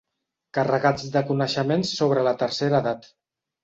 Carregats de coneixements sobre la tercera edat.